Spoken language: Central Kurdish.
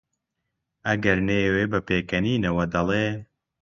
ئەگەر نەیەوێ بە پێکەنینەوە دەڵێ: